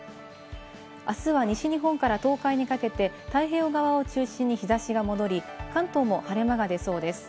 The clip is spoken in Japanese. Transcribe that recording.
あすは西日本から東海にかけて太平洋側を中心に日差しが戻り、関東も晴れ間がでそうです。